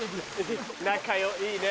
仲いいね。